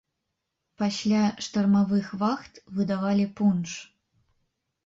Пасля штармавых вахт выдавалі пунш.